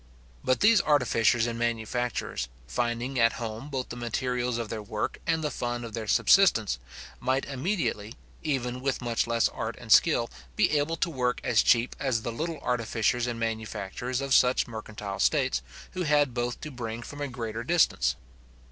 But these artificers and manufacturers, finding at home both the materials of their work and the fund of their subsistence, might immediately, even with much less art and skill be able to work as cheap as the little artificers and manufacturers of such mercantile states, who had both to bring from a greater distance.